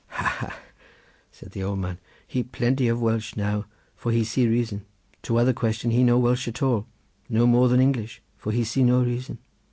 "Ha, ha," said the old man; "he plenty of Welsh now, for he see reason. To other question he no Welsh at all, no more than English, for he see no reason.